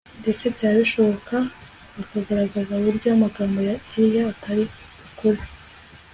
ndetse byaba bishoboka bakagaragaza uburyo amagambo ya Eliya atari ukuri